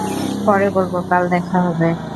পরে বলব, কাল দেখা হবে।